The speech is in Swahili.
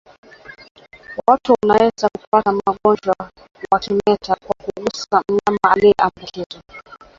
Watu wanaweza kupata ugonjwa wa kimeta kwa kugusa mnyama mwenye maambukizi